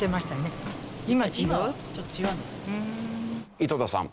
井戸田さん